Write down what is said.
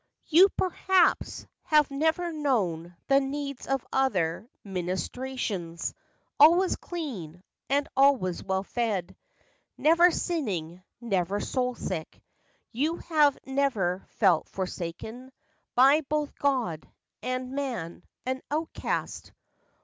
"You, perhaps, have never known the Needs of other ministrations; Always clean, and always well fed— Never sinning, never soul sick— You have never felt forsaken By both God and man, an outcast, FACTS AND FANCIES.